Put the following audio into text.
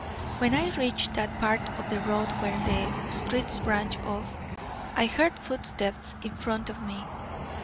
When I reached that part of the road where the streets branch off, I heard footsteps in front of me.